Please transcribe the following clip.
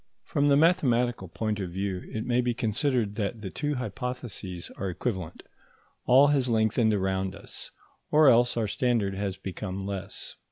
From the mathematical point of view, it may be considered that the two hypotheses are equivalent; all has lengthened around us, or else our standard has become less.